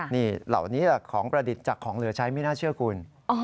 นี่เหล่านี้แหละของประดิษฐ์จากของเหลือใช้ไม่น่าเชื่อคุณ